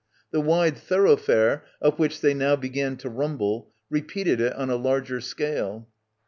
The wide thoroughfare, up which they now began to rumble, repeated it on a larger scale.